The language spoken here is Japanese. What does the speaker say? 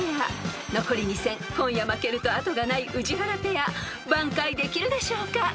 ［残り２戦今夜負けると後がない宇治原ペア挽回できるでしょうか？］